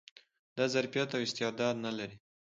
دا ظرفيت او استعداد نه لري